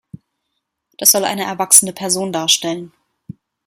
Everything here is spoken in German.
Das soll eine erwachsene Person darstellen.